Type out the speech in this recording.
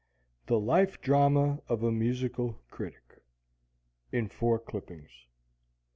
THE LIFE DRAMA OF A MUSICAL CRITIC IN FOUR CLIPPINGS _I.